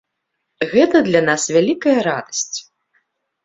Гэта для нас вялікая радасць!